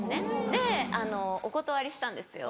でお断りしたんですよ。